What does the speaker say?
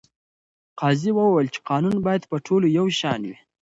قاضي وویل چې قانون باید په ټولو یو شان وي.